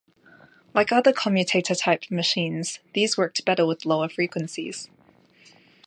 Like other commutator-type machines, these worked better with lower frequencies.